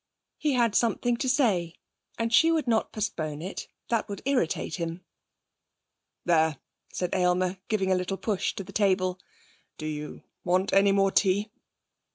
He had something to say and she would not postpone it. That would irritate him. 'There,' said Aylmer, giving a little push to the table. 'Do you want any more tea?'